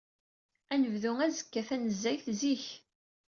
Ad nebdu azekka, tanezzayt zik.